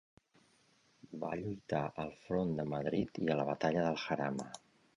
Va lluitar al front de Madrid i a la batalla del Jarama.